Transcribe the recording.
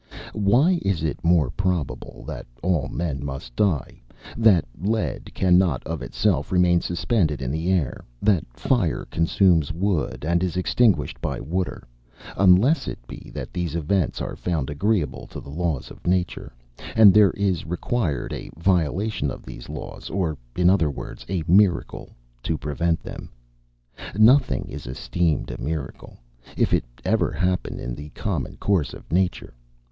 Why is it more than probable that all men must die; that lead cannot, of itself, remain suspended in the air; that fire consumes wood, and is extinguished by water; unless it be that these events are found agreeable to the laws of nature, and there is required a violation of these laws, or, in other words, a miracle to prevent them? Nothing is esteemed a miracle, if it ever happen in the common course of nature.